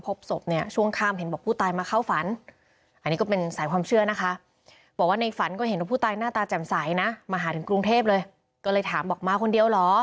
พบศพเนี่ยช่วงข้ามเฉียเขาผู้ใส่มาเกี่ยวสวยหรือได้เดี๋ยว